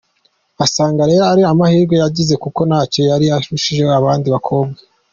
Asanga rero ari amahirwe yagize, kuko ntacyo yari arushije abandi bakobwa.